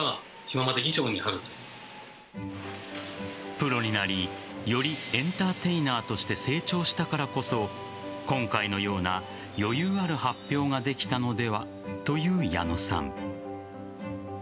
プロになりよりエンターテイナーとして成長したからこそ今回のような余裕ある発表ができたのでは、という矢野さん。